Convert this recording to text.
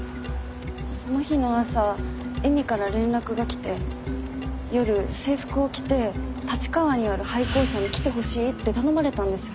その日の朝絵美から連絡が来て夜制服を着て立川にある廃校舎に来てほしいって頼まれたんです。